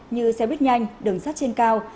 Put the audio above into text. như xe buýt nhanh đường sắt trên cao